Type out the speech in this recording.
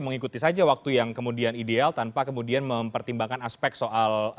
yang satu kubunya adalah mempertimbangkan soal